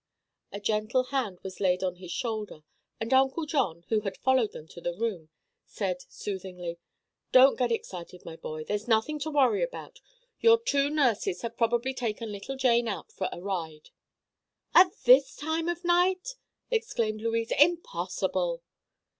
A gentle hand was laid on his shoulder and Uncle John, who had followed them to the room, said soothingly: "Don't get excited, my boy; there's nothing to worry about. Your two nurses have probably taken little Jane out for a ride." "At this time of night?" exclaimed Louise. "Impossible!"